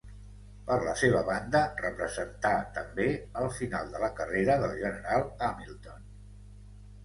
Per la seva banda, representà també el final de la carrera del general Hamilton.